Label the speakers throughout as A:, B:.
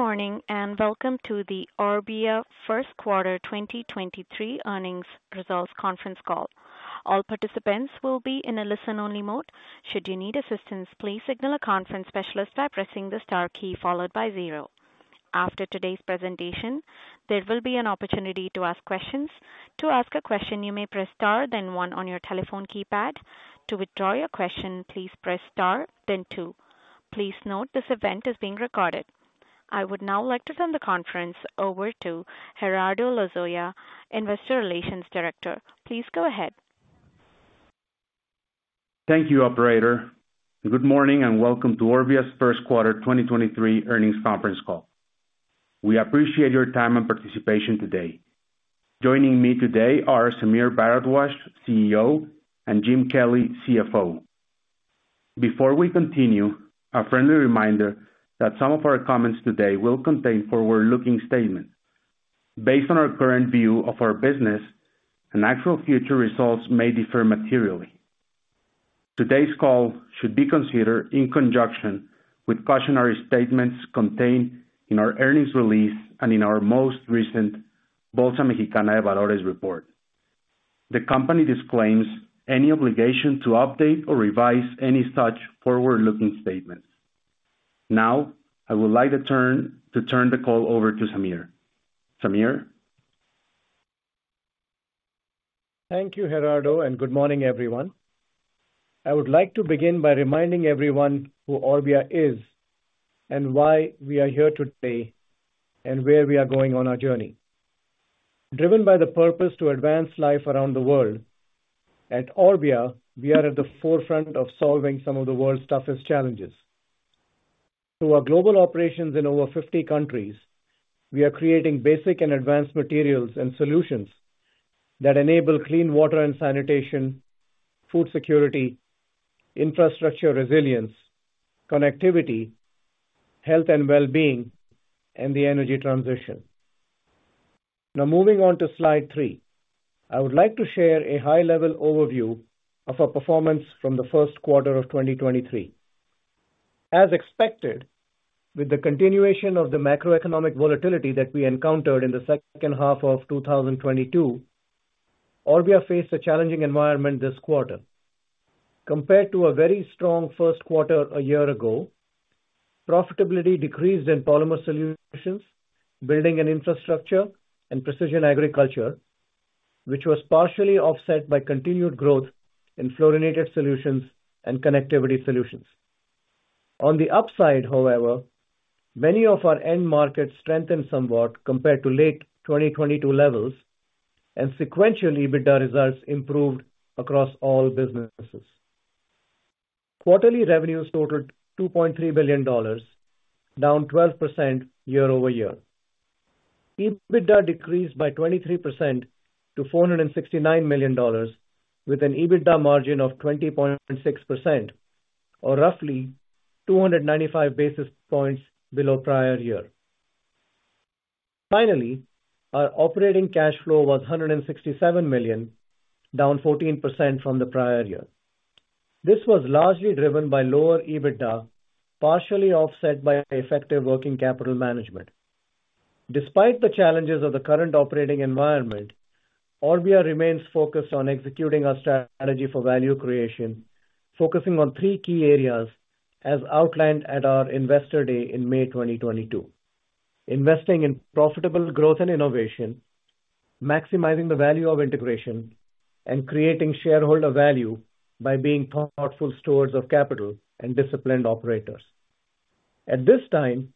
A: Good morning, welcome to the Orbia Q1 2023 Earnings Results Conference Call. All participants will be in a listen-only mode. Should you need assistance, please signal a conference specialist by pressing the star key followed by 0. After today's presentation, there will be an opportunity to ask questions. To ask a question, you may press star then one on your telephone keypad. To withdraw your question, please press star then 2. Please note this event is being recorded. I would now like to turn the conference over to Gerardo Lozoya, Investor Relations Director. Please go ahead.
B: Thank you, operator. Good morning, and welcome to Orbia's Q1 2023 earnings conference call. We appreciate your time and participation today. Joining me today are Sameer Bharadwaj, CEO, and Jim Kelly, CFO. Before we continue, a friendly reminder that some of our comments today will contain forward-looking statements based on our current view of our business and actual future results may differ materially. Today's call should be considered in conjunction with cautionary statements contained in our earnings release and in our most recent Bolsa Mexicana de Valores report. The company disclaims any obligation to update or revise any such forward-looking statements. Now I would like to turn the call over to Sammer.Sammer
C: Thank you, Gerardo, and good morning, everyone. I would like to begin by reminding everyone who Orbia is and why we are here today and where we are going on our journey. Driven by the purpose to advance life around the world, at Orbia, we are at the forefront of solving some of the world's toughest challenges. Through our global operations in over 50 countries, we are creating basic and advanced materials and solutions that enable clean water and sanitation, food security, infrastructure resilience, connectivity, health and well-being, and the energy transition. Now moving on to slide three. I would like to share a high-level overview of our performance from the Q1 of 2023. As expected, with the continuation of the macroeconomic volatility that we encountered in the H2 of 2022, Orbia faced a challenging environment this quarter. Compared to a very strong Q1 a year ago, profitability decreased in Polymer Solutions, Building and Infrastructure, and Precision Agriculture, which was partially offset by continued growth in Fluorinated Solutions and Connectivity Solutions. The upside, however, many of our end markets strengthened somewhat compared to late 2022 levels, and sequential EBITDA results improved across all businesses. Quarterly revenues totaled $2.3 billion, down 12% year-over-year. EBITDA decreased by 23% to $469 million with an EBITDA margin of 20.6% or roughly 295 basis points below prior year. Our operating cash flow was $167 million, down 14% from the prior year. This was largely driven by lower EBITDA, partially offset by effective working capital management. Despite the challenges of the current operating environment, Orbia remains focused on executing our strategy for value creation, focusing on three key areas as outlined at our Investor Day in May 2022. Investing in profitable growth and innovation, maximizing the value of integration, and creating shareholder value by being thoughtful stewards of capital and disciplined operators. At this time,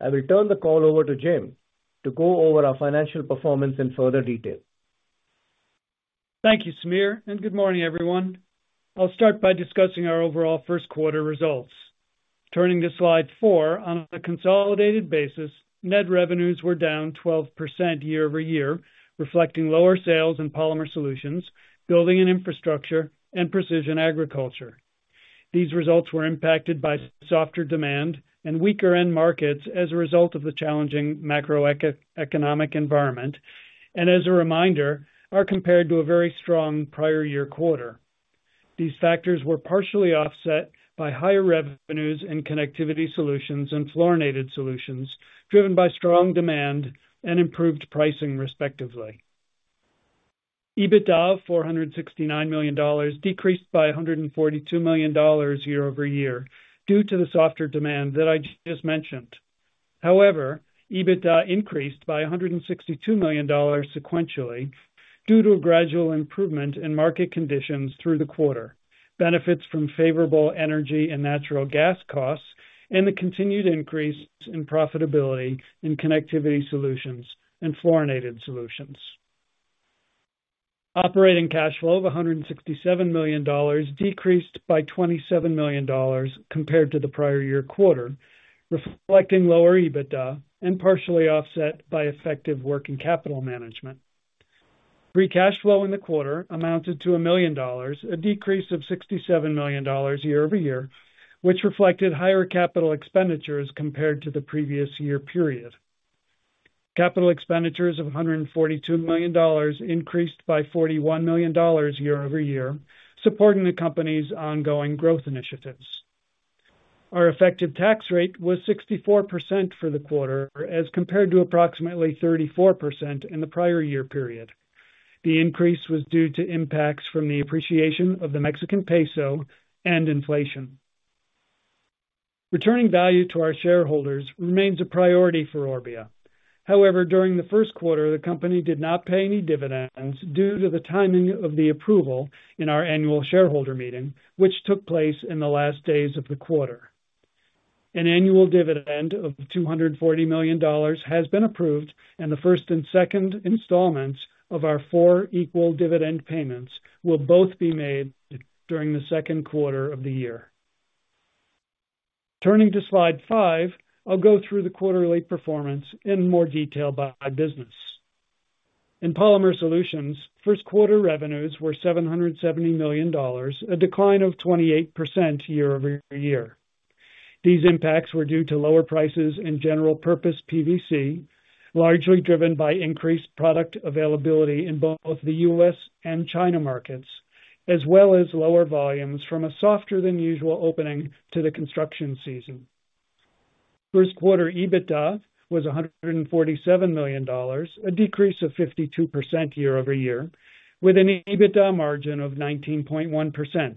C: I will turn the call over to Jim to go over our financial performance in further detail.
D: Thank you, Sammer, and good morning, everyone. I'll start by discussing our overall Q1 results. Turning to slide four. On a consolidated basis, net revenues were down 12% year-over-year, reflecting lower sales in Polymer Solutions, Building and Infrastructure, and Precision Agriculture. These results were impacted by softer demand and weaker end markets as a result of the challenging macroeconomic environment, and as a reminder, are compared to a very strong prior year quarter. These factors were partially offset by higher revenues in Connectivity Solutions and Fluorinated Solutions, driven by strong demand and improved pricing, respectively. EBITDA of $469 million decreased by $142 million year-over-year due to the softer demand that I just mentioned. EBITDA increased by $162 million sequentially due to a gradual improvement in market conditions through the quarter, benefits from favorable energy and natural gas costs, and the continued increase in profitability in Connectivity Solutions and Fluorinated Solutions. Operating cash flow of $167 million decreased by $27 million compared to the prior year quarter, reflecting lower EBITDA and partially offset by effective working capital management. Free cash flow in the quarter amounted to $1 million, a decrease of $67 million year-over-year, which reflected higher capital expenditures compared to the previous year period. Capital expenditures of $142 million increased by $41 million year-over-year, supporting the company's ongoing growth initiatives. Our effective tax rate was 64% for the quarter, as compared to approximately 34% in the prior year period. The increase was due to impacts from the appreciation of the Mexican peso and inflation. Returning value to our shareholders remains a priority for Orbia. During the Q1, the company did not pay any dividends due to the timing of the approval in our annual shareholder meeting, which took place in the last days of the quarter. An annual dividend of $240 million has been approved, and the first and second installments of our four equal dividend payments will both be made during the Q2 of the year. Turning to slide five, I'll go through the quarterly performance in more detail by business. In Polymer Solutions, Q1 revenues were $770 million, a decline of 28% year-over-year. These impacts were due to lower prices in general purpose PVC, largely driven by increased product availability in both the U.S. and China markets, as well as lower volumes from a softer than usual opening to the construction season. Q1 EBITDA was $147 million, a decrease of 52% year-over-year, with an EBITDA margin of 19.1%.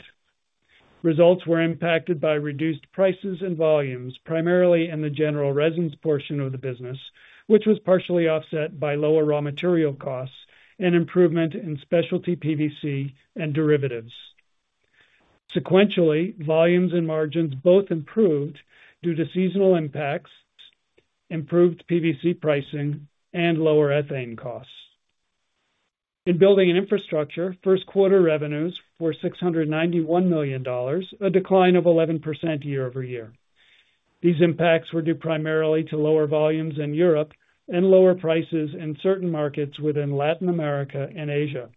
D: Results were impacted by reduced prices and volumes, primarily in the general resins portion of the business, which was partially offset by lower raw material costs and improvement in specialty PVC and derivatives. Sequentially, volumes and margins both improved due to seasonal impacts, improved PVC pricing, and lower ethane costs. In Building and Infrastructure, Q1 revenues were $691 million, a decline of 11% year-over-year. These impacts were due primarily to lower volumes in Europe and lower prices in certain markets within Latin America and Asia.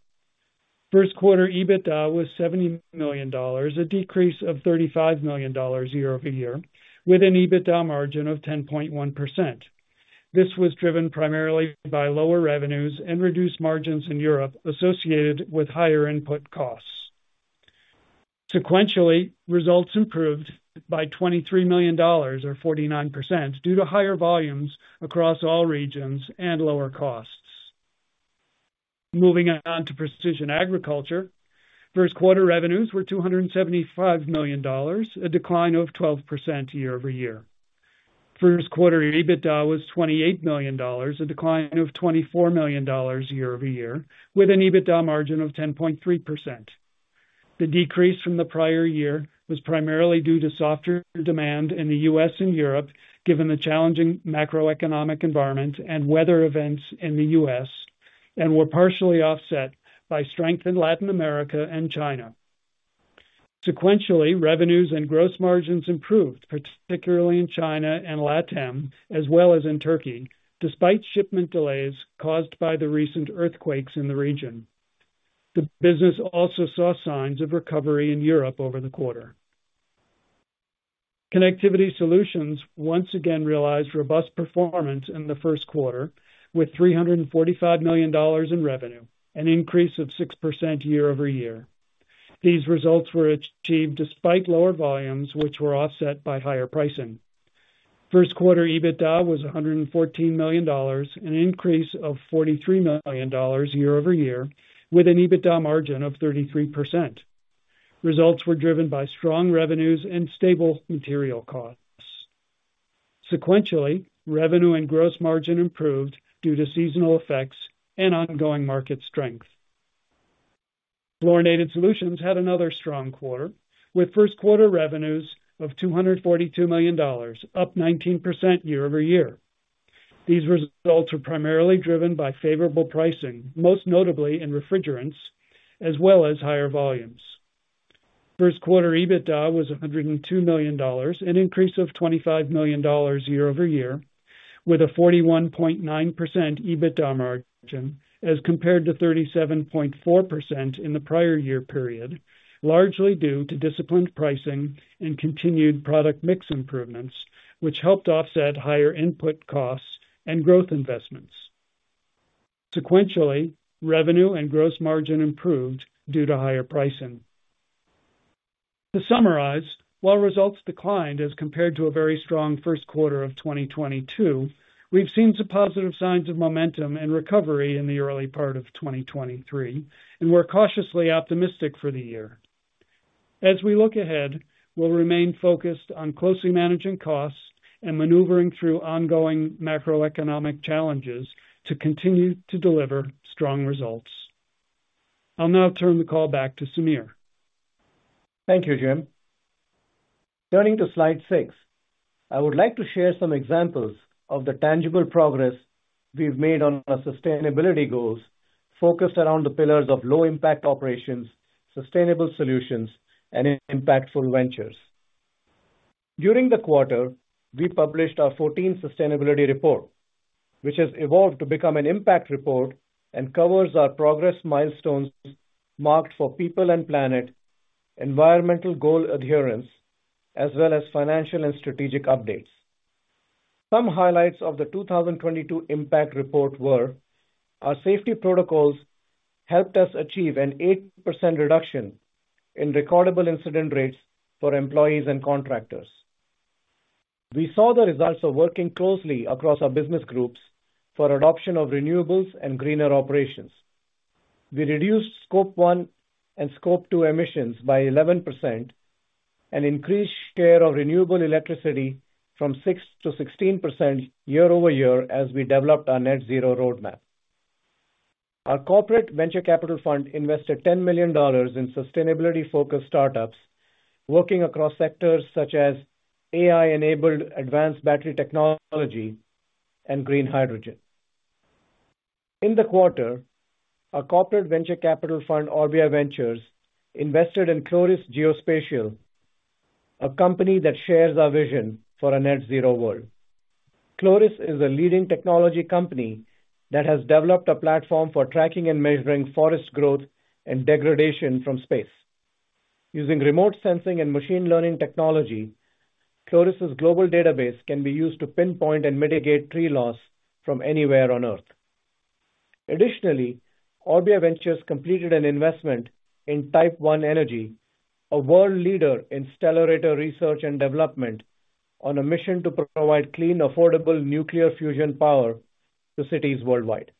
D: Q1 EBITDA was $70 million, a decrease of $35 million year-over-year, with an EBITDA margin of 10.1%. This was driven primarily by lower revenues and reduced margins in Europe associated with higher input costs. Sequentially, results improved by $23 million or 49% due to higher volumes across all regions and lower costs. Moving on to Precision Agriculture. Q1 revenues were $275 million, a decline of 12% year-over-year. Q1 EBITDA was $28 million, a decline of $24 million year-over-year, with an EBITDA margin of 10.3%. The decrease from the prior year was primarily due to softer demand in the US and Europe, given the challenging macro economic environment and weather events in the US, and were partially offset by strength in Latin America and China. Sequentially, revenues and gross margins improved, particularly in China and LATAM, as well as in Turkey, despite shipment delays caused by the recent earthquakes in the region. The business also saw signs of recovery in Europe over the quarter. Connectivity Solutions once again realized robust performance in the Q1 with $345 million in revenue, an increase of 6% year-over-year. These results were achieved despite lower volumes, which were offset by higher pricing. Q1 EBITDA was $114 million, an increase of $43 million year-over-year, with an EBITDA margin of 33%. Results were driven by strong revenues and stable material costs. Sequentially, revenue and gross margin improved due to seasonal effects and ongoing market strength. Fluorinated Solutions had another strong quarter, with Q1 revenues of $242 million, up 19% year-over-year. These results were primarily driven by favorable pricing, most notably in refrigerants, as well as higher volumes. Q1 EBITDA was $102 million, an increase of $25 million year-over-year, with a 41.9% EBITDA margin, as compared to 37.4% in the prior year period, largely due to disciplined pricing and continued product mix improvements, which helped offset higher input costs and growth investments. Sequentially, revenue and gross margin improved due to higher pricing. To summarize, while results declined as compared to a very strong Q1 of 2022, we've seen some positive signs of momentum and recovery in the early part of 2023, and we're cautiously optimistic for the year. As we look ahead, we'll remain focused on closely managing costs and maneuvering through ongoing macroeconomic challenges to continue to deliver strong results. I'll now turn the call back to Sammer.
C: Thank you, Jim. Turning to slide six. I would like to share some examples of the tangible progress we've made on our sustainability goals focused around the pillars of low impact operations, sustainable solutions, and impactful ventures. During the quarter, we published our 14th sustainability report, which has evolved to become an impact report and covers our progress milestones marked for people and planet. Environmental goal adherence, as well as financial and strategic updates. Some highlights of the 2022 impact report were: our safety protocols helped us achieve an 8% reduction in recordable incident rates for employees and contractors. We saw the results of working closely across our business groups for adoption of renewables and greener operations. We reduced Scope one and Scope two emissions by 11% and increased share of renewable electricity from 6% to 16% year-over-year as we developed our net zero roadmap. Our corporate venture capital fund invested $10 million in sustainability-focused startups working across sectors such as AI-enabled advanced battery technology and green hydrogen. In the quarter, our corporate venture capital fund, Orbia Ventures, invested in Chloris Geospatial, a company that shares our vision for a net zero world. Chloris is a leading technology company that has developed a platform for tracking and measuring forest growth and degradation from space. Using remote sensing and machine learning technology, Chloris' global database can be used to pinpoint and mitigate tree loss from anywhere on Earth. Additionally, Orbia Ventures completed an investment in Type One Energy, a world leader in stellarator research and development, on a mission to provide clean, affordable nuclear fusion power to cities worldwide.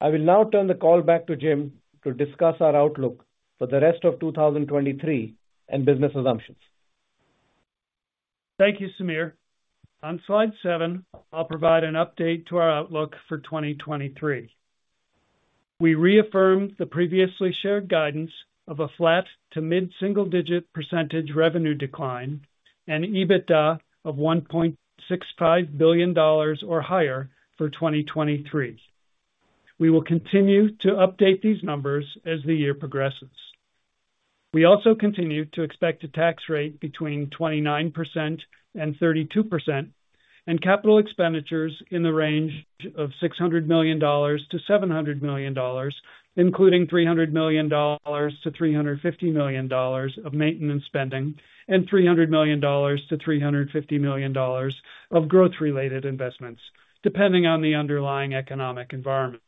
C: I will now turn the call back to Jim to discuss our outlook for the rest of 2023 and business assumptions.
D: Thank you, Sammer. On slide seven, I'll provide an update to our outlook for 2023. We reaffirm the previously shared guidance of a flat to mid-single digit percentage revenue decline and EBITDA of $1.65 billion or higher for 2023. We will continue to update these numbers as the year progresses. We also continue to expect a tax rate between 29% and 32%, and capital expenditures in the range of $600 million-$700 million, including $300 million-$350 million of maintenance spending, and $300 million-$350 million of growth-related investments, depending on the underlying economic environment.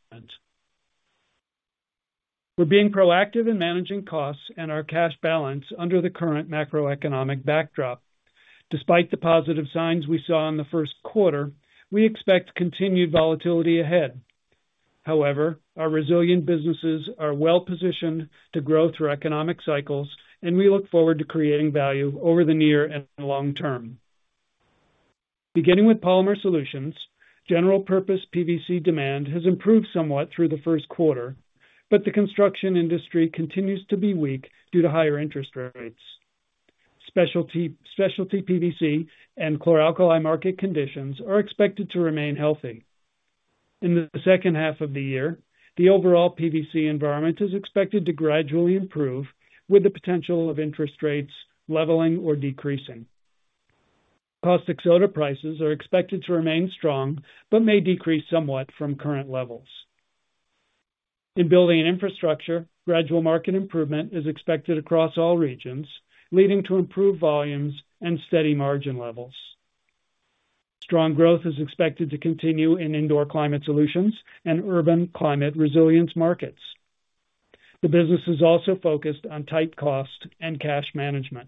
D: We're being proactive in managing costs and our cash balance under the current macroeconomic backdrop. Despite the positive signs we saw in the Q1, we expect continued volatility ahead. However, our resilient businesses are well-positioned to grow through economic cycles, and we look forward to creating value over the near and long term. Beginning with Polymer Solutions, general purpose PVC demand has improved somewhat through the Q1, but the construction industry continues to be weak due to higher interest rates. Specialty PVC and chlor-alkali market conditions are expected to remain healthy. In the H2 of the year, the overall PVC environment is expected to gradually improve with the potential of interest rates leveling or decreasing. Caustic soda prices are expected to remain strong but may decrease somewhat from current levels. In building infrastructure, gradual market improvement is expected across all regions, leading to improved volumes and steady margin levels. Strong growth is expected to continue in indoor climate solutions and urban climate resilience markets. The business is also focused on tight cost and cash management.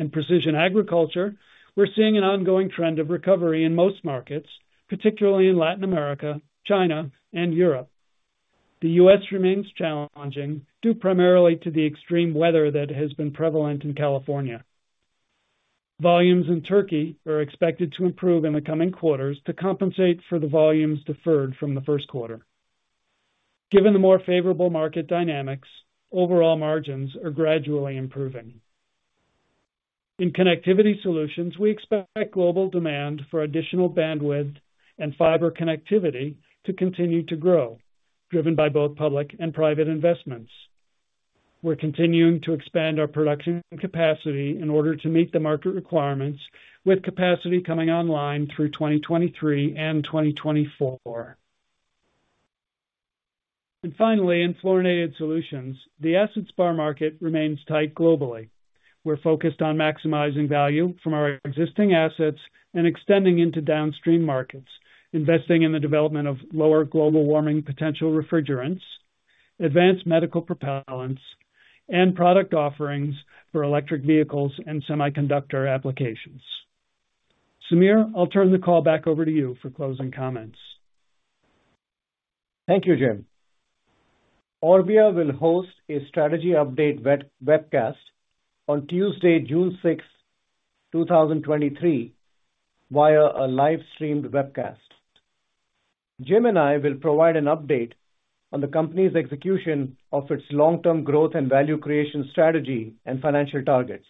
D: In precision agriculture, we're seeing an ongoing trend of recovery in most markets, particularly in Latin America, China, and Europe. The U.S. remains challenging due primarily to the extreme weather that has been prevalent in California. Volumes in Turkey are expected to improve in the coming quarters to compensate for the volumes deferred from the Q1. Given the more favorable market dynamics, overall margins are gradually improving. In connectivity solutions, we expect global demand for additional bandwidth and fiber connectivity to continue to grow, driven by both public and private investments. We're continuing to expand our production capacity in order to meet the market requirements with capacity coming online through 2023 and 2024. Finally, in Fluorinated Solutions, the assets bar market remains tight globally. We're focused on maximizing value from our existing assets and extending into downstream markets, investing in the development of lower global warming potential refrigerants, advanced medical propellants, and product offerings for electric vehicles and semiconductor applications. Sammer, I'll turn the call back over to you for closing comments.
C: Thank you, Jim. Orbia will host a strategy update webcast on Tuesday, June 6, 2023, via a live-streamed webcast. Jim and I will provide an update on the company's execution of its long-term growth and value creation strategy and financial targets.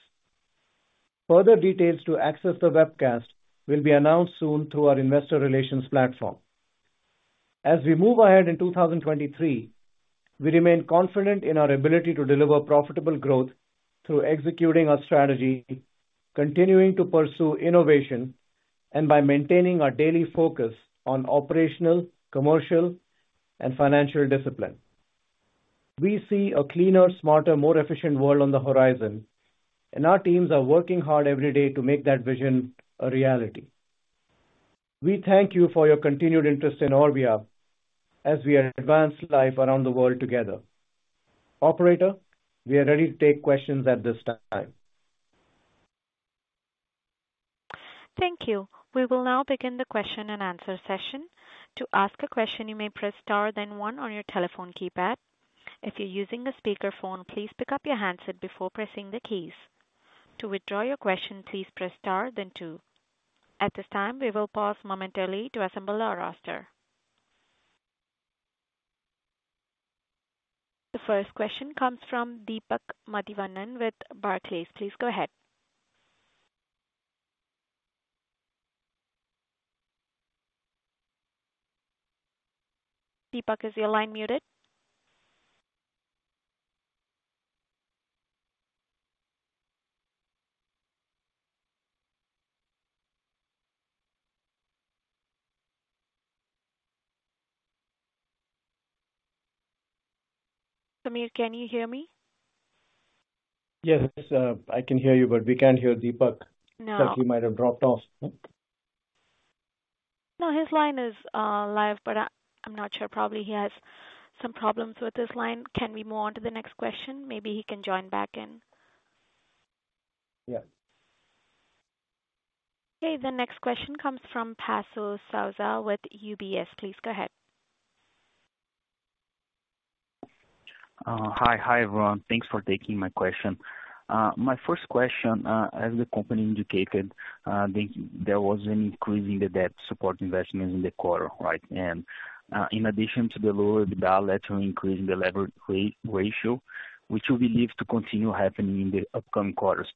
C: Further details to access the webcast will be announced soon through our investor relations platform. As we move ahead in 2023, we remain confident in our ability to deliver profitable growth through executing our strategy, continuing to pursue innovation, and by maintaining our daily focus on operational, commercial, and financial discipline. We see a cleaner, smarter, more efficient world on the horizon, and our teams are working hard every day to make that vision a reality. We thank you for your continued interest in Orbia as we advance life around the world together. Operator, we are ready to take questions at this time.
A: Thank you. We will now begin the question-and-answer session. To ask a question, you may press Star then One on your telephone keypad. If you're using a speakerphone, please pick up your handset before pressing the keys. To withdraw your question, please press Star then Two. At this time, we will pause momentarily to assemble our roster. The first question comes from Deepak Mathivanan with Barclays. Please go ahead. Deepak, is your line muted? Sammer, can you hear me?
C: Yes, I can hear you, but we can't hear Deepak.
A: No.
C: He might have dropped off.
A: No, his line is live, but I'm not sure. Probably he has some problems with his line. Can we move on to the next question? Maybe he can join back in.
C: Yes.
A: The next question comes from Passo Sousa with UBS. Please go ahead.
E: Hi, everyone. Thanks for taking my question. My first question, as the company indicated, there was an increase in the debt support investment in the quarter, right? In addition to the lower EBITDA, that increased the leverage ratio, which you believe to continue happening in the upcoming quarters.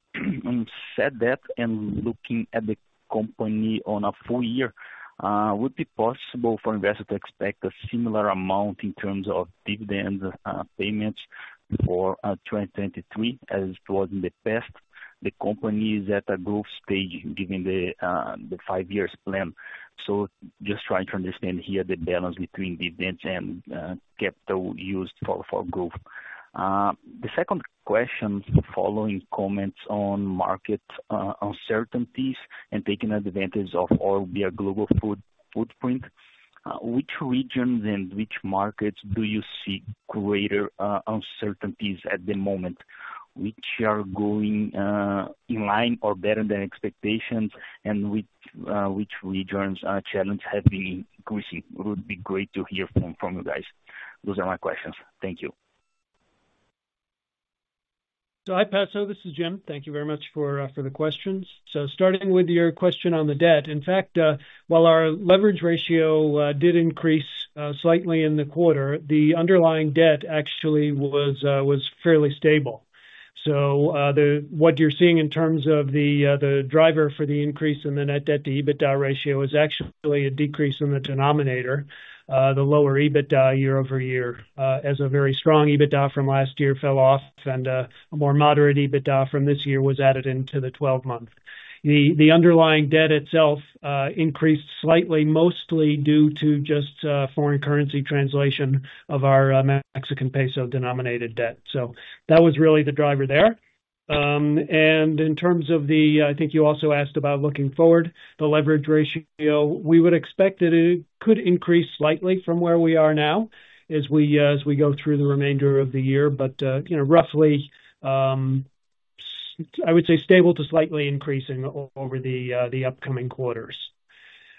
E: Said that, looking at the company on a full year, would it be possible for investors to expect a similar amount in terms of dividends, payments for 2023 as it was in the past? The company is at a growth stage given the five years plan. Just trying to understand here the balance between dividends and capital used for growth. The second question, following comments on market uncertainties and taking advantage of all the global footprint, which regions and which markets do you see greater uncertainties at the moment? Which are going in line or better than expectations and which regions are challenged, have been increasing? It would be great to hear from you guys. Those are my questions. Thank you.
D: Hi, Passo Sousa. This is Jim Kelly. Thank you very much for the questions. Starting with your question on the debt, in fact, while our leverage ratio did increase slightly in the quarter, the underlying debt actually was fairly stable. What you're seeing in terms of the driver for the increase in the net debt to EBITDA ratio is actually a decrease in the denominator, the lower EBITDA year-over-year, as a very strong EBITDA from last year fell off and a more moderate EBITDA from this year was added into the 12-month. The underlying debt itself increased slightly, mostly due to just foreign currency translation of our Mexican peso-denominated debt. That was really the driver there. In terms of the I think you also asked about looking forward, the leverage ratio, we would expect that it could increase slightly from where we are now as we go through the remainder of the year. You know, roughly, I would say stable to slightly increasing over the upcoming quarters.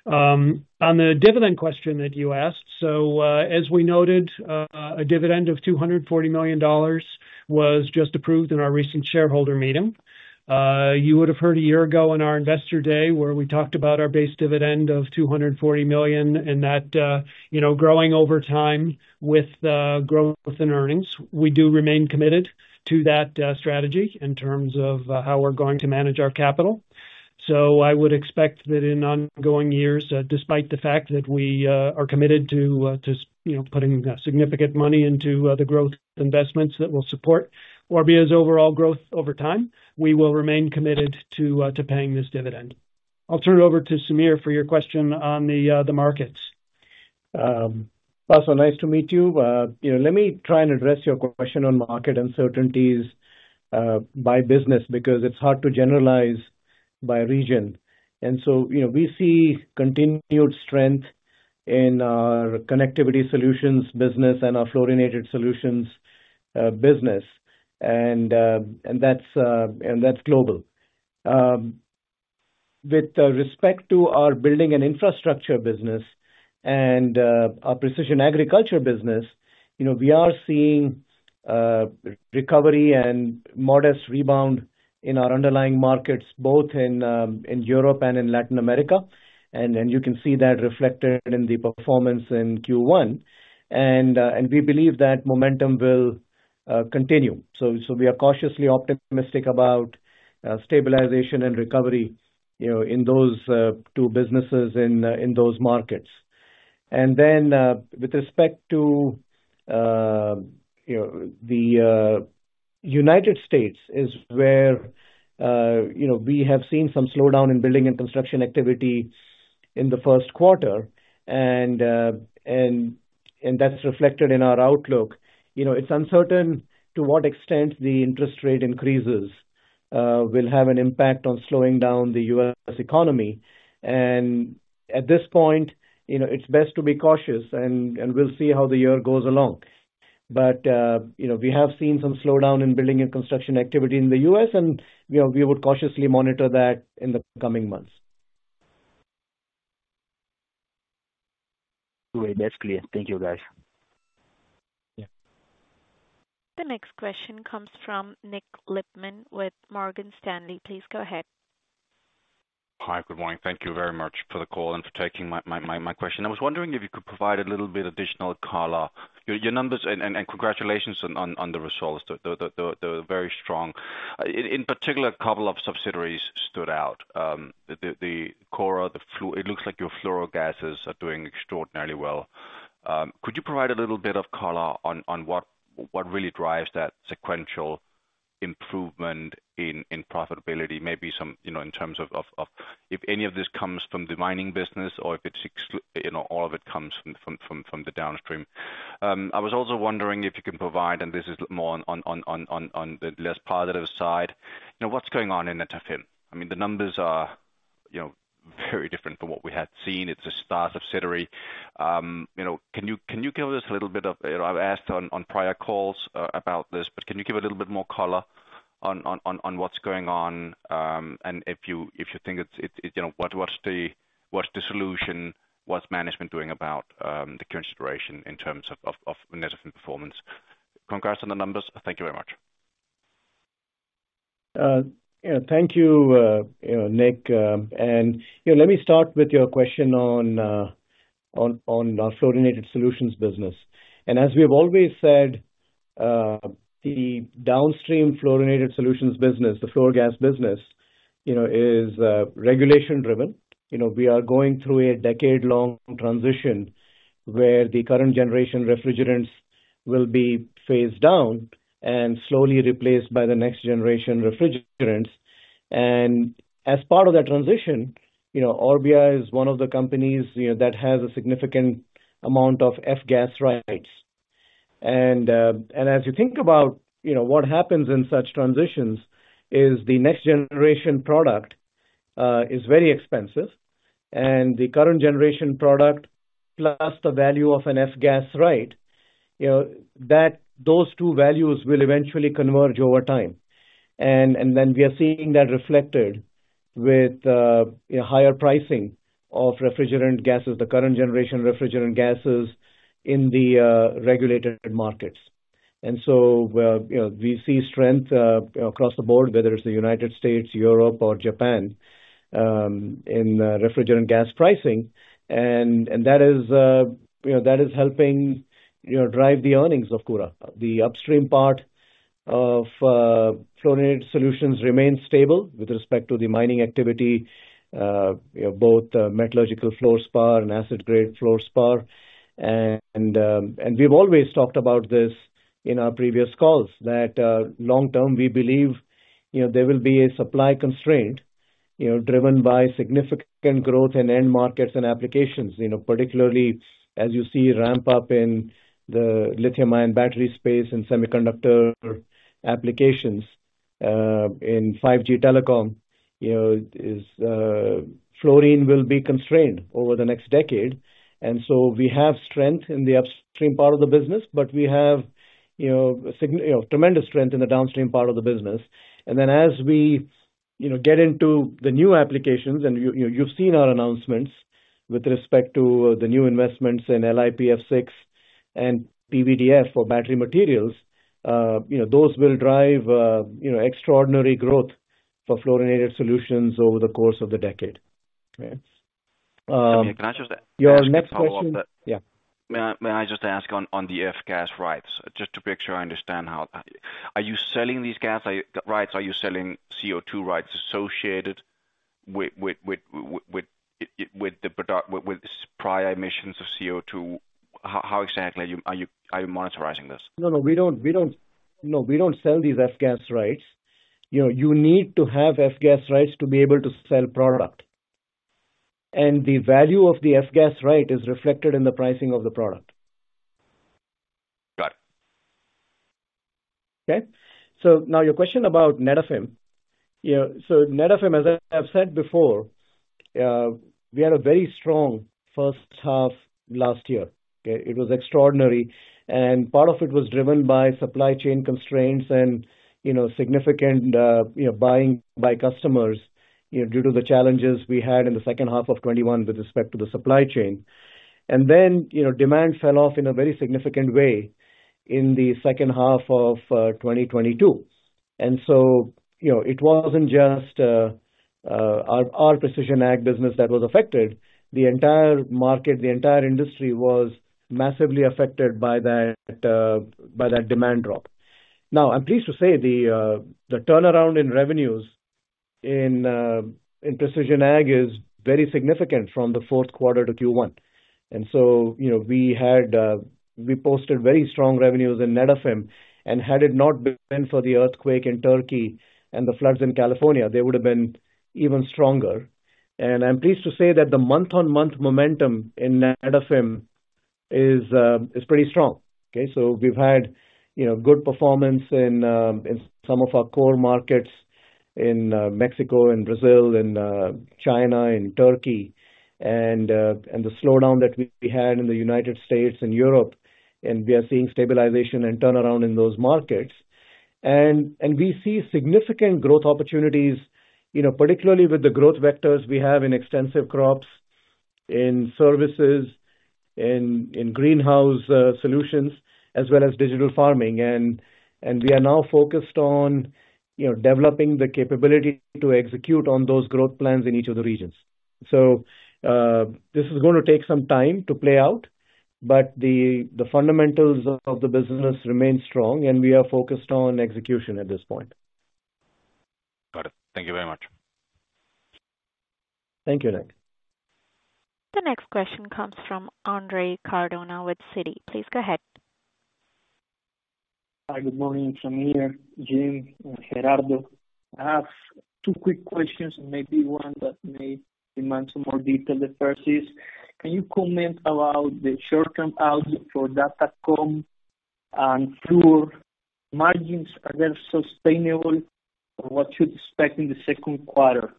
D: On the dividend question that you asked, as we noted, a dividend of $240 million was just approved in our recent shareholder meeting. You would have heard a year ago in our investor day where we talked about our base dividend of $240 million and that, you know, growing over time with growth in earnings. We do remain committed to that strategy in terms of how we're going to manage our capital. I would expect that in ongoing years, despite the fact that we are committed to, you know, putting significant money into the growth investments that will support Orbia's overall growth over time, we will remain committed to paying this dividend. I'll turn it over to Sammer for your question on the markets.
C: Passo, nice to meet you. You know, let me try and address your question on market uncertainties by business because it's hard to generalize by region. You know, we see continued strength in our Connectivity Solutions business and our Fluorinated Solutions business, and that's global. With respect to our Building and Infrastructure business and our Precision Agriculture business, you know, we are seeing recovery and modest rebound in our underlying markets, both in Europe and in Latin America. You can see that reflected in the performance in Q1. We believe that momentum will continue. We are cautiously optimistic about stabilization and recovery, you know, in those two businesses in those markets. With respect to, you know, the United States is where, you know, we have seen some slowdown in building and construction activity in the Q1. That's reflected in our outlook. You know, it's uncertain to what extent the interest rate increases, will have an impact on slowing down the US economy. At this point, you know, it's best to be cautious and we'll see how the year goes along. You know, we have seen some slowdown in building and construction activity in the US, and, you know, we would cautiously monitor that in the coming months.
E: Great. That's clear. Thank you, guys.
C: Yeah.
A: The next question comes from Nick Lippmann with Morgan Stanley. Please go ahead.
F: Hi. Good morning. Thank you very much for the call and for taking my question. I was wondering if you could provide a little bit additional color. Your numbers, and congratulations on the results. They're very strong. In particular, a couple of subsidiaries stood out. The Koura. It looks like your fluorogases are doing extraordinarily well. Could you provide a little bit of color on what really drives that sequential improvement in profitability? Maybe some, you know, in terms of if any of this comes from the mining business or if it's, you know, all of it comes from the downstream. I was also wondering if you can provide, and this is more on the less positive side. You know, what's going on in Netafim? I mean, the numbers are, you know, very different from what we had seen. It's a star subsidiary. You know, can you give us a little bit of... You know, I've asked on prior calls about this, but can you give a little bit more color on what's going on? If you think it's, you know, what's the solution? What's management doing about the current situation in terms of Netafim performance? Congrats on the numbers. Thank you very much.
C: Yeah, thank you know, Nick. You know, let me start with your question on our Fluorinated Solutions business. As we have always said, the downstream Fluorinated Solutions business, the fluorogas business, you know, is regulation-driven. You know, we are going through a decade-long transition where the current generation refrigerants will be phased down and slowly replaced by the next generation refrigerants. As part of that transition, you know, Orbia is one of the companies, you know, that has a significant amount of F-gas rights. As you think about, you know, what happens in such transitions is the next generation product is very expensive, and the current generation product plus the value of an F-gas right, you know, that those two values will eventually converge over time. We are seeing that reflected with higher pricing of refrigerant gases, the current generation refrigerant gases in the regulated markets. You know, we see strength across the board, whether it's the United States, Europe or Japan, in refrigerant gas pricing. That is helping, you know, drive the earnings of Koura. The upstream part of Fluorinated Solutions remains stable with respect to the mining activity, you know, both metallurgical fluorspar and acid-grade fluorspar. We've always talked about this in our previous calls, that long term, we believe, you know, there will be a supply constraint, you know, driven by significant growth in end markets and applications. You know, particularly as you see ramp up in the lithium-ion battery space and semiconductor applications, in 5G telecom, you know, is, fluorine will be constrained over the next decade. We have strength in the upstream part of the business, but we have, you know, tremendous strength in the downstream part of the business. As we, you know, get into the new applications and you, you've seen our announcements with respect to the new investments in LIPF6 and PVDF for battery materials, you know, those will drive, you know, extraordinary growth for Fluorinated Solutions over the course of the decade. Right.
F: Okay. Can I just ask a follow-up?
C: Your next question. Yeah.
F: May I just ask on the F-gas rights, just to make sure I understand how? Are you selling these gas rights? Are you selling CO2 rights associated with the product, with prior emissions of CO2? How exactly are you monetizing this?
C: No, we don't sell these F-gas rights. You know, you need to have F-gas rights to be able to sell product. The value of the F-gas right is reflected in the pricing of the product.
F: Got it.
C: Okay. Now your question about Netafim. Yeah. Netafim, as I have said before, we had a very strong H1 last year. Okay? It was extraordinary. Part of it was driven by supply chain constraints and, you know, significant, you know, buying by customers, you know, due to the challenges we had in the H2 of 2021 with respect to the supply chain. You know, demand fell off in a very significant way in the H2 of 2022. You know, it wasn't just our precision ag business that was affected. The entire market, the entire industry was massively affected by that by that demand drop. I'm pleased to say the turnaround in revenues in precision ag is very significant from the Q4 to Q1. You know, we had, we posted very strong revenues in Netafim. Had it not been for the earthquake in Turkey and the floods in California, they would have been even stronger. I'm pleased to say that the month-on-month momentum in Netafim is pretty strong. Okay? We've had, you know, good performance in some of our core markets in Mexico and Brazil and China and Turkey, and the slowdown that we had in the United States and Europe, and we are seeing stabilization and turnaround in those markets. We see significant growth opportunities, you know, particularly with the growth vectors we have in extensive crops, in services, in greenhouse solutions, as well as digital farming. We are now focused on, you know, developing the capability to execute on those growth plans in each of the regions. This is gonna take some time to play out, but the fundamentals of the business remain strong, and we are focused on execution at this point.
F: Got it. Thank you very much.
C: Thank you, Nick.
A: The next question comes from Andres Cardona with Citi. Please go ahead.
G: Hi. Good morning, Sammer, Jim, and Gerardo. I have two quick questions and maybe one that may demand some more detail. The first is, can you comment about the short-term outlook for Datacom and Fluor? Margins, are they sustainable? What should we expect in the second quarter?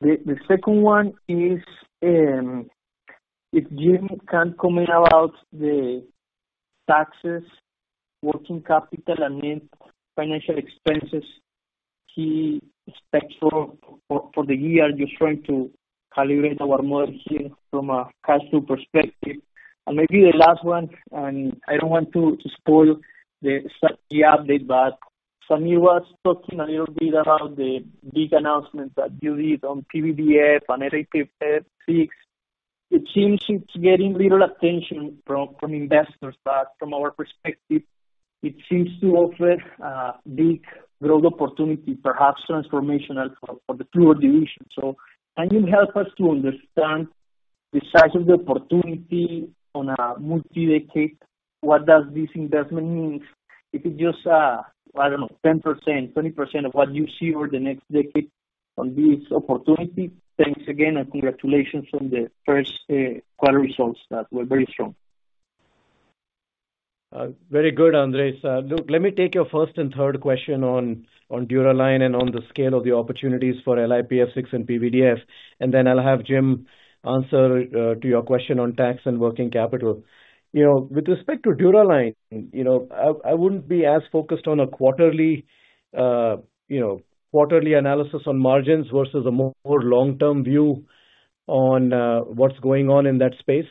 G: The second one is, if Jim can comment about the taxes, working capital, and any financial expenses he expects for the year. Just trying to calibrate our model here from a cash flow perspective. Maybe the last one, and I don't want to spoil the strategy update, but Samir was talking a little bit about the big announcements that you did on PVDF and LIPF6. It seems it's getting little attention from investors, but from our perspective, it seems to offer a big growth opportunity, perhaps transformational for the Fluor division. Can you help us to understand the size of the opportunity on a multi-decade? What does this investment mean if it's just, I don't know, 10%, 20% of what you see over the next decade on this opportunity? Thanks again, and congratulations on the Q1 results that were very strong.
C: Very good, Andres. Look, let me take your first and third question on Dura-Line and on the scale of the opportunities for LIPF6 and PVDF, and then I'll have Jim answer to your question on tax and working capital. You know, with respect to Dura-Line, you know, I wouldn't be as focused on a quarterly, you know, quarterly analysis on margins versus a more long-term view on what's going on in that space.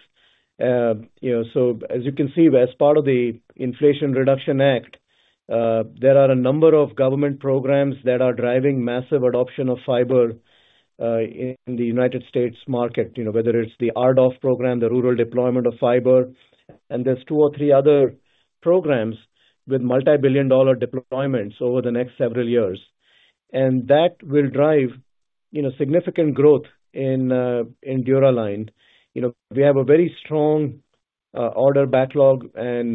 C: As you can see, as part of the Inflation Reduction Act, there are a number of government programs that are driving massive adoption of fiber in the United States market. You know, whether it's the RDOF program, the rural deployment of fiber, and there's two or three other programs with multi-billion dollar deployments over the next several years. That will drive, you know, significant growth in Dura-Line. You know, we have a very strong order backlog and,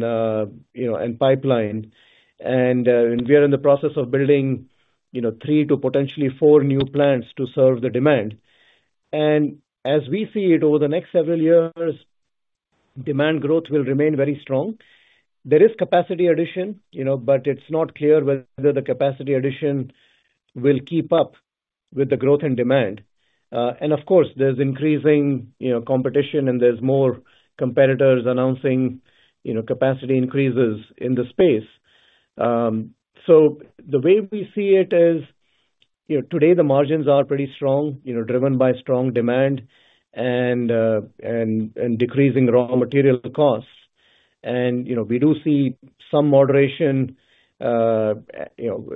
C: you know, and pipeline. We are in the process of building, you know, three to potentially four new plants to serve the demand. As we see it, over the next several years, demand growth will remain very strong. There is capacity addition, you know, but it's not clear whether the capacity addition will keep up with the growth in demand. Of course, there's increasing, you know, competition and there's more competitors announcing, you know, capacity increases in the space. The way we see it is, you know, today the margins are pretty strong, you know, driven by strong demand and decreasing raw material costs. You know, we do see some moderation, you know,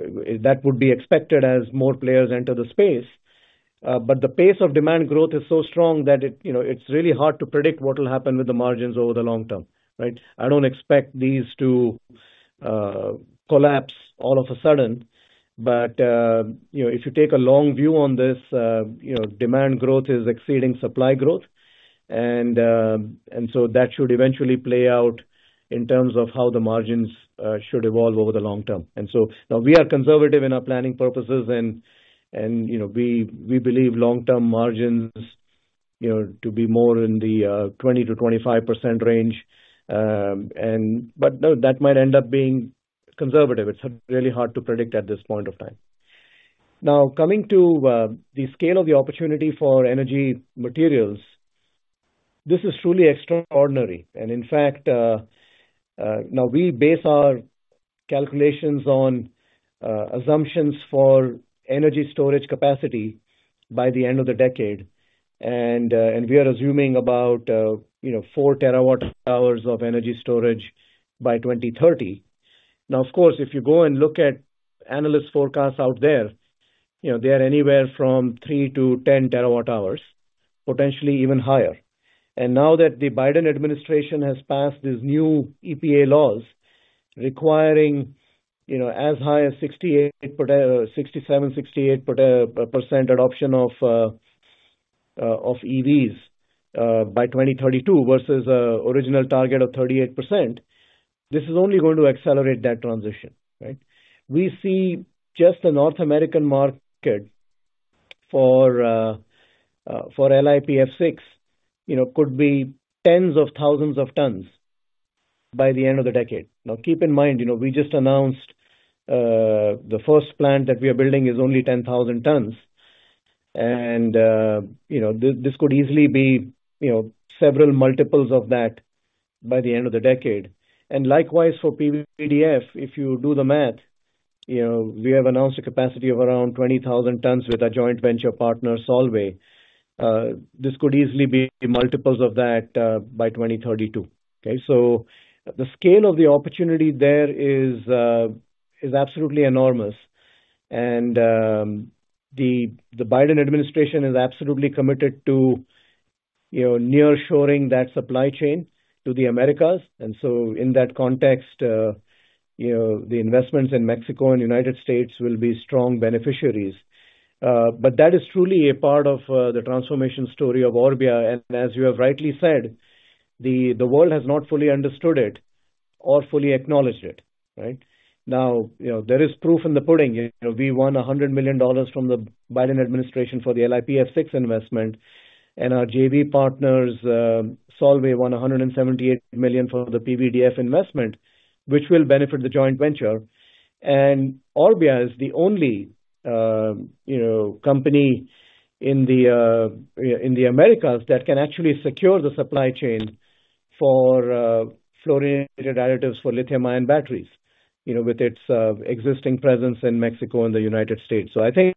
C: that would be expected as more players enter the space. The pace of demand growth is so strong that it, you know, it's really hard to predict what will happen with the margins over the long term, right? I don't expect these to collapse all of a sudden. You know, if you take a long view on this, you know, demand growth is exceeding supply growth. That should eventually play out in terms of how the margins should evolve over the long term. Now we are conservative in our planning purposes and, you know, we believe long-term margins, you know, to be more in the 20%-25% range. No, that might end up being conservative. It's really hard to predict at this point of time. Coming to the scale of the opportunity for energy materials, this is truly extraordinary. In fact, now we base our calculations on assumptions for energy storage capacity by the end of the decade. We are assuming about, you know, four terawatt-hours of energy storage by 2030. Of course, if you go and look at analyst forecasts out there, you know, they are anywhere from three to 10 terawatt-hours, potentially even higher. Now that the Biden administration has passed these new EPA laws requiring, you know, as high as 67%-68% adoption of EVs by 2032 versus original target of 38%, this is only going to accelerate that transition, right? We see just the North American market for LIPF6, you know, could be tens of thousands of tons by the end of the decade. Now, keep in mind, you know, we just announced the first plant that we are building is only 10,000 tons. You know, this could easily be, you know, several multiples of that by the end of the decade. Likewise for PVDF, if you do the math, you know, we have announced a capacity of around 20,000 tons with our joint venture partner, Solvay. This could easily be multiples of that by 2032. Okay? The scale of the opportunity there is absolutely enormous. The Biden administration is absolutely committed to, you know, nearshoring that supply chain to the Americas. In that context, you know, the investments in Mexico and the United States will be strong beneficiaries. But that is truly a part of the transformation story of Orbia. As you have rightly said, the world has not fully understood it or fully acknowledged it, right? Now, you know, there is proof in the pudding. You know, we won $100 million from the Biden administration for the LIPF6 investment, and our JV partners, Solvay, won $178 million for the PVDF investment, which will benefit the joint venture. Orbia is the only, you know, company in the Americas that can actually secure the supply chain for fluorinated additives for lithium-ion batteries, you know, with its existing presence in Mexico and the United States. I think,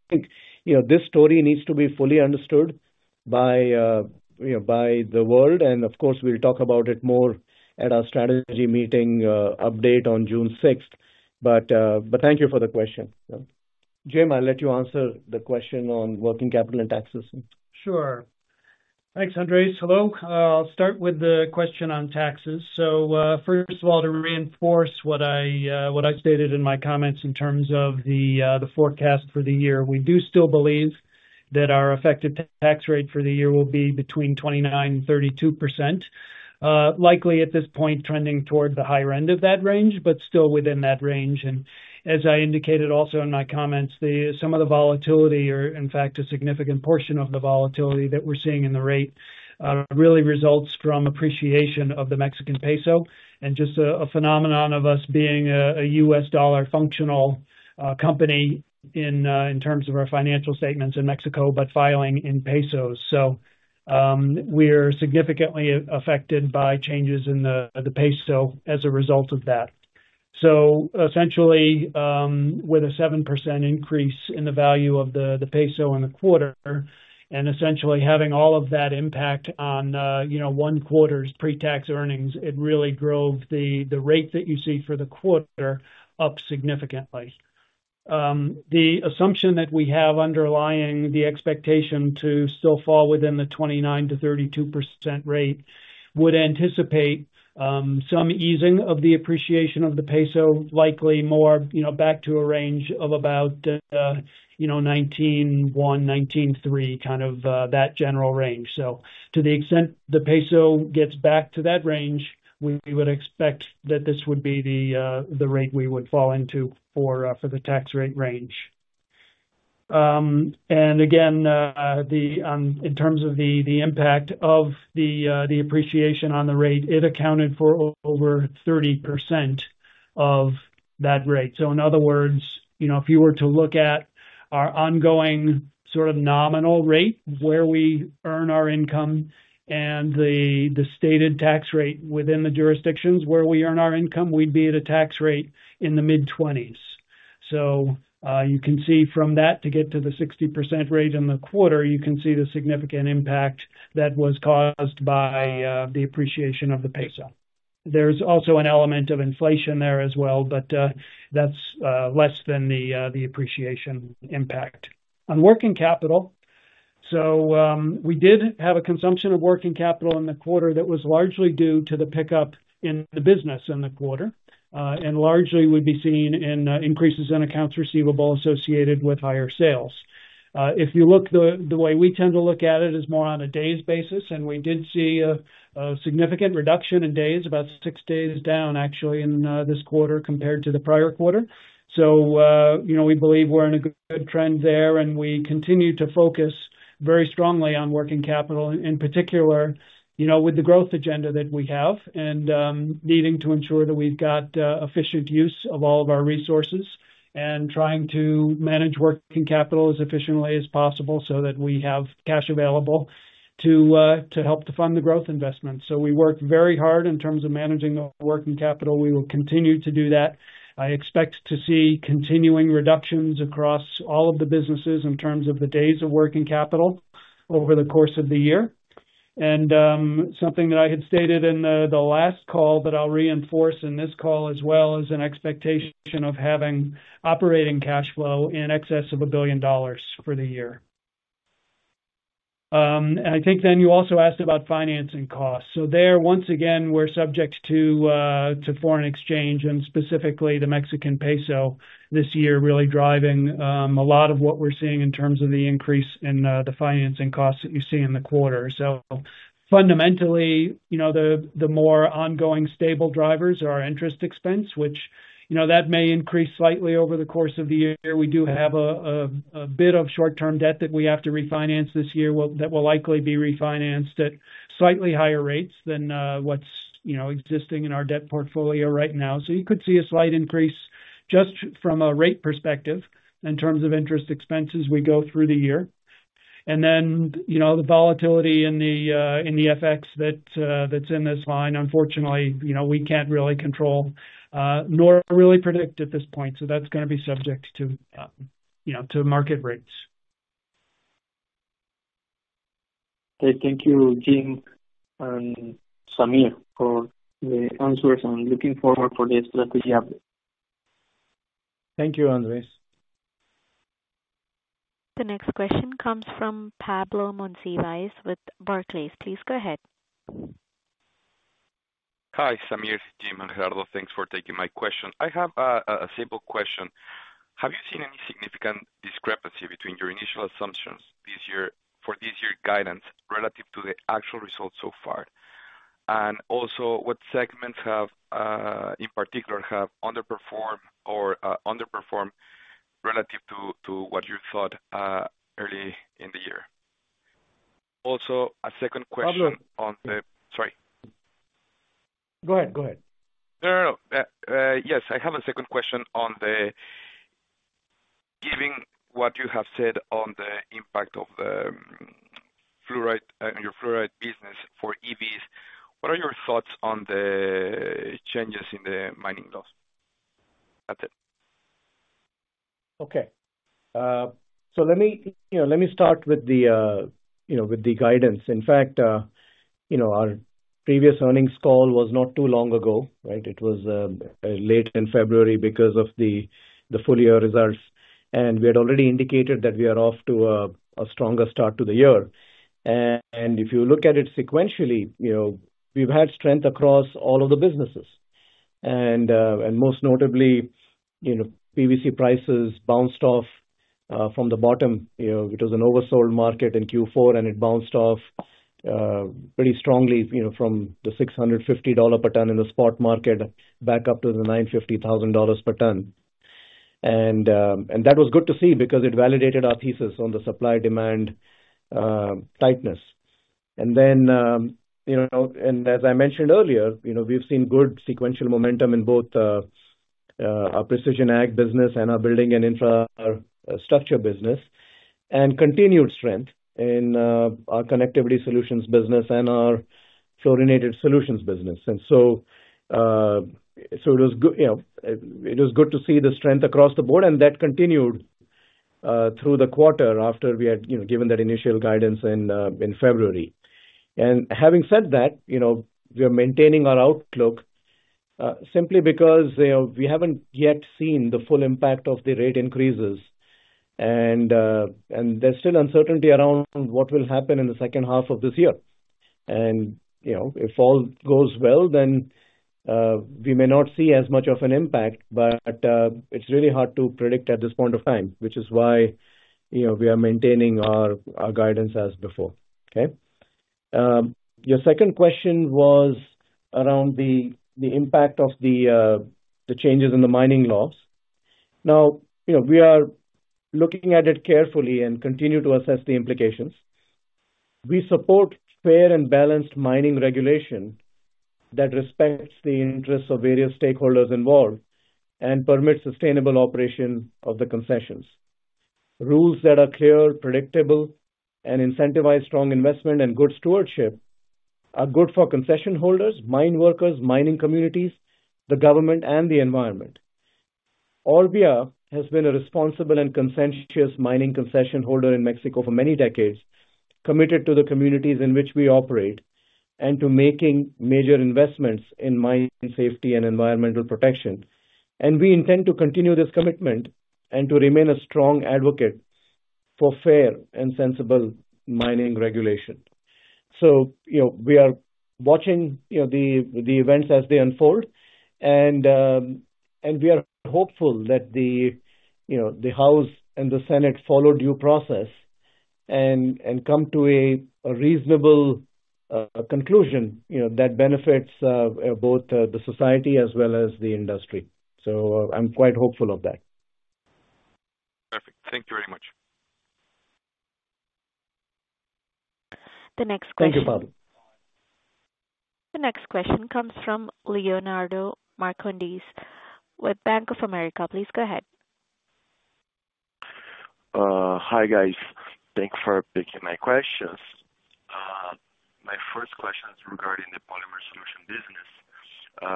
C: you know, this story needs to be fully understood by, you know, by the world, and of course, we'll talk about it more at our strategy meeting, update on June 6. Thank you for the question. Jim, I'll let you answer the question on working capital and taxes.
D: Sure. Thanks, Andres. Hello. I'll start with the question on taxes. First of all, to reinforce what I stated in my comments in terms of the forecast for the year. We do still believe that our effective tax rate for the year will be between 29% and 32%. Likely at this point trending toward the higher end of that range, but still within that range. As I indicated also in my comments, some of the volatility or in fact a significant portion of the volatility that we're seeing in the rate, really results from appreciation of the Mexican peso and just a phenomenon of us being a U.S. dollar functional company in terms of our financial statements in Mexico, but filing in pesos. We're significantly affected by changes in the peso as a result of that. Essentially, with a 7% increase in the value of the peso in the quarter and essentially having all of that impact on, you know, one quarter's pre-tax earnings, it really drove the rate that you see for the quarter up significantly. The assumption that we have underlying the expectation to still fall within the 29%-32% rate would anticipate some easing of the appreciation of the peso, likely more, you know, back to a range of about, you know, 19.1, 19.3, kind of, that general range. To the extent the peso gets back to that range, we would expect that this would be the rate we would fall into for the tax rate range. Again, in terms of the impact of the appreciation on the rate, it accounted for over 30% of that rate. In other words, you know, if you were to look at our ongoing sort of nominal rate where we earn our income and the stated tax rate within the jurisdictions where we earn our income, we'd be at a tax rate in the mid-twenties. You can see from that to get to the 60% rate in the quarter, you can see the significant impact that was caused by the appreciation of the peso. There's also an element of inflation there as well, that's less than the appreciation impact. On working capital. We did have a consumption of working capital in the quarter that was largely due to the pickup in the business in the quarter, and largely would be seen in increases in accounts receivable associated with higher sales. If you look, the way we tend to look at it is more on a days basis, and we did see a significant reduction in days, about six days down actually in this quarter compared to the prior quarter. You know, we believe we're in a good trend there, and we continue to focus very strongly on working capital in particular, you know, with the growth agenda that we have and needing to ensure that we've got efficient use of all of our resources and trying to manage working capital as efficiently as possible so that we have cash available to help to fund the growth investments. We work very hard in terms of managing our working capital. We will continue to do that. I expect to see continuing reductions across all of the businesses in terms of the days of working capital over the course of the year. Something that I had stated in the last call that I'll reinforce in this call as well is an expectation of having operating cash flow in excess of $1 billion for the year. I think you also asked about financing costs. There, once again, we're subject to foreign exchange and specifically the Mexican peso this year really driving a lot of what we're seeing in terms of the increase in the financing costs that you see in the quarter. Fundamentally, you know, the more ongoing stable drivers are our interest expense, which, you know, that may increase slightly over the course of the year. We do have a bit of short-term debt that we have to refinance this year that will likely be refinanced at slightly higher rates than what's, you know, existing in our debt portfolio right now. You could see a slight increase just from a rate perspective in terms of interest expenses as we go through the year. You know, the volatility in the FX that that's in this line, unfortunately, you know, we can't really control nor really predict at this point. That's gonna be subject to, you know, to market rates.
G: Okay. Thank you, Jim and Samir, for the answers. I'm looking forward for the strategy update.
C: Thank you, Andres.
A: The next question comes from Pablo Monsivais with Barclays. Please go ahead.
H: Hi, Samir, Jim, Gerardo. Thanks for taking my question. I have a simple question. Have you seen any significant discrepancy between your initial assumptions this year for this year's guidance relative to the actual results so far? Also, what segments have in particular have underperformed or underperformed relative to what you thought early in the year? Also, a second question on the.
C: Pablo.
H: Sorry.
C: Go ahead. Go ahead.
H: No, no. Yes, I have a second question. Given what you have said on the impact of your fluoride business for EVs, what are your thoughts on the changes in the mining laws? That's it.
C: Okay. Let me, you know, let me start with the, you know, with the guidance. In fact, you know, our previous earnings call was not too long ago, right? It was late in February because of the full year results, and we had already indicated that we are off to a stronger start to the year. If you look at it sequentially, you know, we've had strength across all of the businesses. Most notably, you know, PVC prices bounced off from the bottom. You know, it was an oversold market in Q4, and it bounced off pretty strongly, you know, from the $650 per ton in the spot market back up to the $950,000 per ton. That was good to see because it validated our thesis on the supply-demand tightness. You know, as I mentioned earlier, you know, we've seen good sequential momentum in both our Precision Ag business and our Building and Infrastructure business, and continued strength in our Connectivity Solutions business and our Fluorinated Solutions business. You know, it was good to see the strength across the board, and that continued through the quarter after we had, you know, given that initial guidance in February. Having said that, you know, we are maintaining our outlook simply because, you know, we haven't yet seen the full impact of the rate increases. There's still uncertainty around what will happen in the H2 of this year. You know, if all goes well, we may not see as much of an impact. It's really hard to predict at this point of time, which is why, you know, we are maintaining our guidance as before, okay? Your second question was around the impact of the changes in the mining laws. Now, you know, we are looking at it carefully and continue to assess the implications. We support fair and balanced mining regulation that respects the interests of various stakeholders involved and permits sustainable operation of the concessions. Rules that are clear, predictable, and incentivize strong investment and good stewardship are good for concession holders, mine workers, mining communities, the government, and the environment. Orbia has been a responsible and conscientious mining concession holder in Mexico for many decades, committed to the communities in which we operate and to making major investments in mine safety and environmental protection. We intend to continue this commitment and to remain a strong advocate for fair and sensible mining regulation. You know, we are watching, you know, the events as they unfold. We are hopeful that, you know, the House and the Senate follow due process and come to a reasonable conclusion, you know, that benefits both the society as well as the industry. I'm quite hopeful of that.
H: Perfect. Thank you very much.
A: The next question-
C: Thank you, Pablo.
A: The next question comes from Leonardo Marcondes with Bank of America. Please go ahead.
I: Hi, guys. Thank you for taking my questions. My first question is regarding the Polymer Solutions business,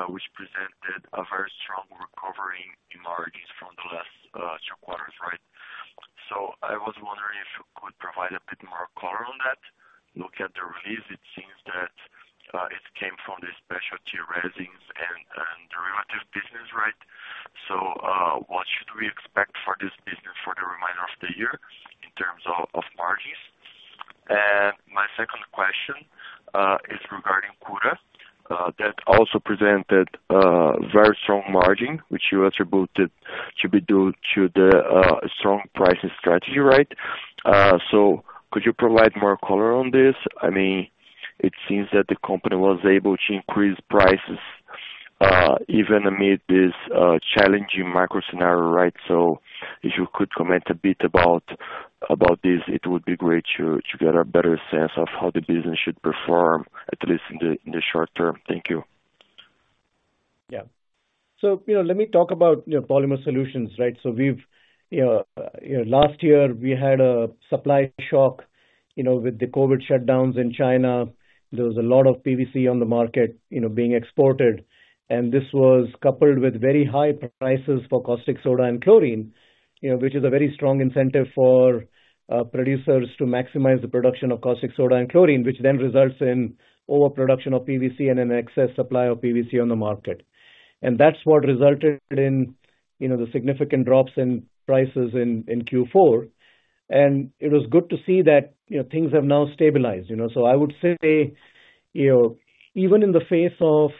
I: which presented a very strong recovery in margins from the last two quarters, right? I was wondering if you could provide a bit more color on that. Looking at the release, it seems that, it came from the specialty resins and derivative business, right? What should we expect for this business for the reminder of the year in terms of margins? My second question is regarding Koura, that also presented very strong margin which you attributed to be due to the strong pricing strategy, right? Could you provide more color on this? I mean, it seems that the company was able to increase prices even amid this challenging micro scenario, right? If you could comment a bit about this, it would be great to get a better sense of how the business should perform, at least in the short term. Thank you.
C: Yeah. You know, let me talk about, you know, Polymer Solutions, right? We've, you know, you know, last year we had a supply shock, you know, with the COVID shutdowns in China. There was a lot of PVC on the market, you know, being exported. This was coupled with very high prices for caustic soda and chlorine, you know, which is a very strong incentive for producers to maximize the production of caustic soda and chlorine, which then results in overproduction of PVC and an excess supply of PVC on the market. That's what resulted in, you know, the significant drops in prices in Q4. It was good to see that, you know, things have now stabilized, you know. I would say, you know, even in the face of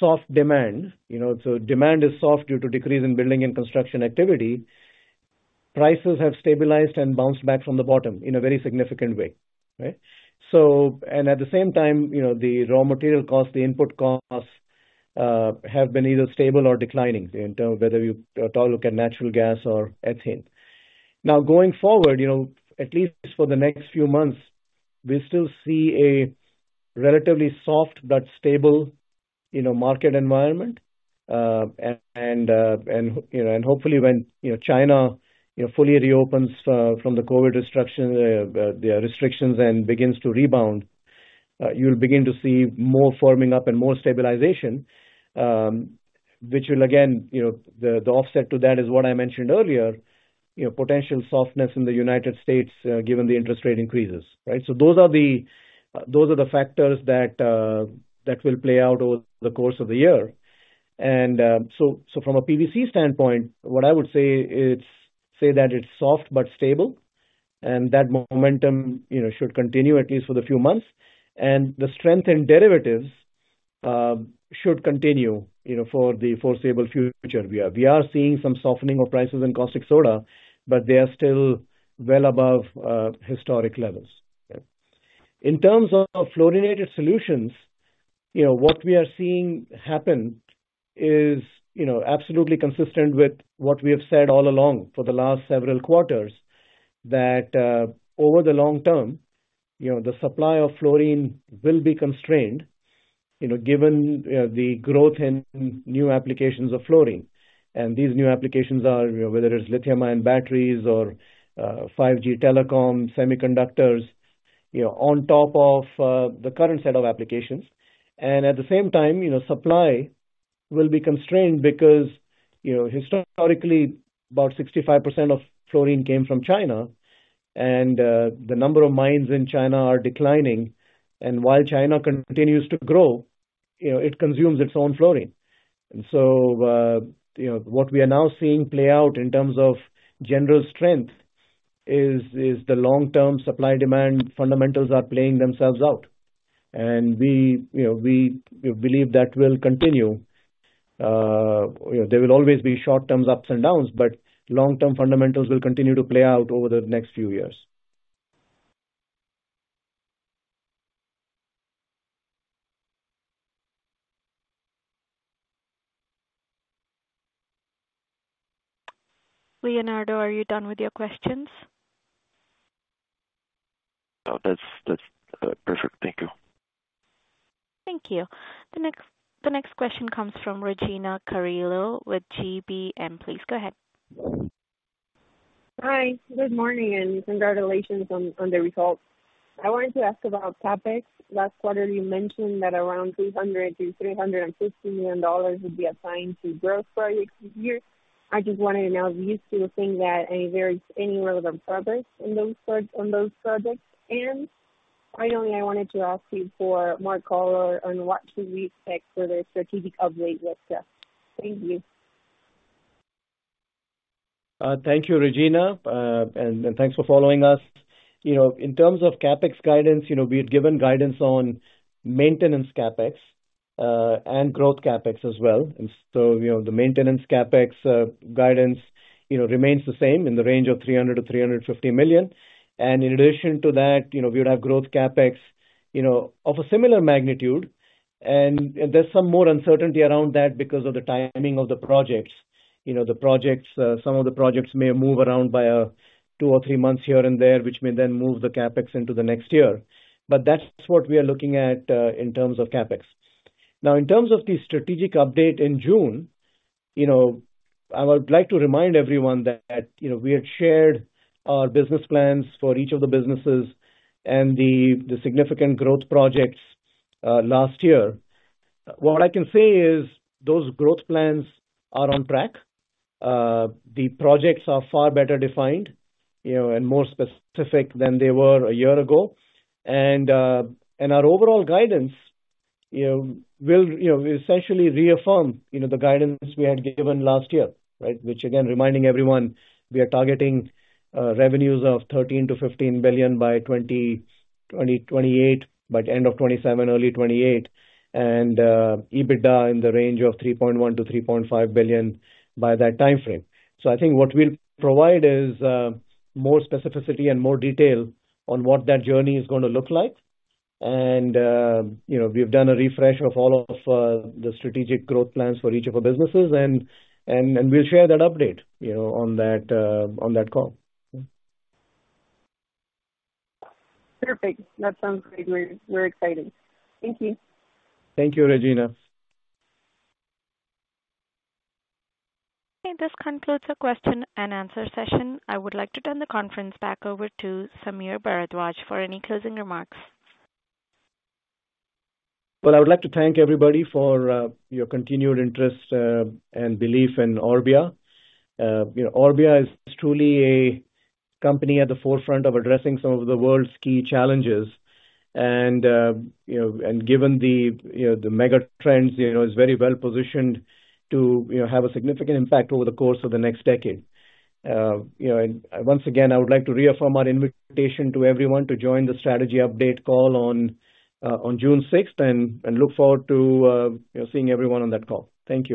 C: soft demand, you know, demand is soft due to decrease in building and construction activity, prices have stabilized and bounced back from the bottom in a very significant way. Right? At the same time, you know, the raw material costs, the input costs, have been either stable or declining in terms of whether you at all look at natural gas or ethane. Going forward, you know, at least for the next few months, we still see a relatively soft but stable, you know, market environment. You know, and hopefully when, you know, China, you know, fully reopens from the COVID destruction, the restrictions and begins to rebound, you'll begin to see more firming up and more stabilization, which will again, you know, the offset to that is what I mentioned earlier, you know, potential softness in the United States, given the interest rate increases, right? Those are the factors that will play out over the course of the year. From a PVC standpoint, what I would say that it's soft but stable, and that momentum, you know, should continue at least for the few months. The strength in derivatives should continue, you know, for the foreseeable future. We are seeing some softening of prices in caustic soda, but they are still well above historic levels. In terms of Fluorinated Solutions, you know, what we are seeing happen is, you know, absolutely consistent with what we have said all along for the last several quarters, that over the long term, you know, the supply of fluorine will be constrained, you know, given the growth in new applications of fluorine. And these new applications are, you know, whether it's lithium-ion batteries or 5G telecom, semiconductors, you know, on top of the current set of applications. And at the same time, you know, supply will be constrained because, you know, historically, about 65% of fluorine came from China, and the number of mines in China are declining. And while China continues to grow, you know, it consumes its own fluorine. You know, what we are now seeing play out in terms of general strength is the long-term supply-demand fundamentals are playing themselves out. We, you know, we believe that will continue. You know, there will always be short-term ups and downs, but long-term fundamentals will continue to play out over the next few years.
A: Leonardo, are you done with your questions?
I: No, that's, perfect. Thank you.
A: Thank you. The next question comes from Regina Carrillo with GBM. Please go ahead.
J: Hi. Good morning, and congratulations on the results. I wanted to ask about CapEx. Last quarter you mentioned that around $200 million-$350 million would be assigned to growth projects this year. I just wanted to know if you see or think that there is relevant progress in those on those projects. Finally, I wanted to ask you for more color on what to expect for the strategic update with us. Thank you.
C: Thank you, Regina. Thanks for following us. You know, in terms of CapEx guidance, you know, we had given guidance on maintenance CapEx and growth CapEx as well. You know, the maintenance CapEx guidance, you know, remains the same in the range of $300 million-$350 million. In addition to that, you know, we would have growth CapEx, you know, of a similar magnitude. There's some more uncertainty around that because of the timing of the projects. You know, the projects, some of the projects may move around by two or three months here and there, which may then move the CapEx into the next year. That's what we are looking at in terms of CapEx. In terms of the strategic update in June, you know, I would like to remind everyone that, you know, we had shared our business plans for each of the businesses and the significant growth projects last year. What I can say is those growth plans are on track. The projects are far better defined, you know, and more specific than they were a year ago. Our overall guidance, you know, will, you know, essentially reaffirm, you know, the guidance we had given last year, right? Which again, reminding everyone, we are targeting revenues of $13 billion-$15 billion by 2028, by the end of 2027, early 2028, and EBITDA in the range of $3.1 billion-$3.5 billion by that timeframe. I think what we'll provide is more specificity and more detail on what that journey is gonna look like. You know, we've done a refresh of all of the strategic growth plans for each of our businesses, and we'll share that update, you know, on that call.
J: Perfect. That sounds great. We're excited. Thank you.
C: Thank you, Regina.
A: This concludes the question and answer session. I would like to turn the conference back over to Sameer Bharadwaj for any closing remarks.
C: Well, I would like to thank everybody for your continued interest and belief in Orbia. You know, Orbia is truly a company at the forefront of addressing some of the world's key challenges. You know, given the, you know, the mega trends, you know, is very well-positioned to, you know, have a significant impact over the course of the next decade. You know, once again, I would like to reaffirm our invitation to everyone to join the strategy update call on June sixth, and look forward to, you know, seeing everyone on that call. Thank you.